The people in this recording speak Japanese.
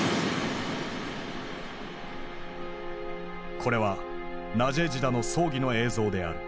これはナジェージダの葬儀の映像である。